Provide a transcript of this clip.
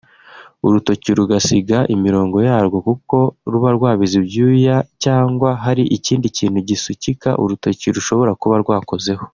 urutoki rugasiga imirongo yarwo kuko ruba rwabize ibyuya cyangwa hari ikindi kintu gisukika urutoki rushobora kuba rwakozeho